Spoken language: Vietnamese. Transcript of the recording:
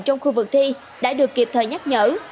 trong khu vực thi đã được kịp thời nhắc nhở